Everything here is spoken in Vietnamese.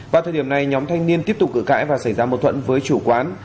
vào thời điểm này nhóm thanh niên tiếp tục cử cãi và xảy ra mâu thuẫn với chủ quán